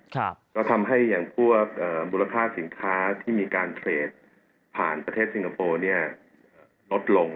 ก็ทำให้มูลค้าสินค้าที่มีการเทรดผ่านสิงคโปร์ลดลง